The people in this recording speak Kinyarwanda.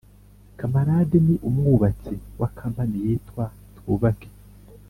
Kamarade ni umwubatsi wa kampani yitwa twubake